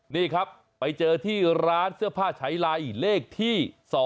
นี่ครับไปเจอที่ร้านเสื้อผ้าใช้ไลเลขที่๒